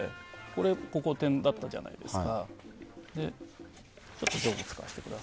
ここが点だったじゃないですか。